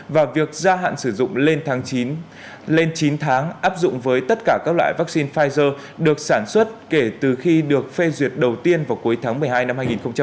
và việc gia hạn sử dụng lên chín tháng áp dụng với tất cả các loại vaccine pfizer được sản xuất kể từ khi được phê duyệt đầu tiên vào cuối tháng một mươi hai năm hai nghìn hai mươi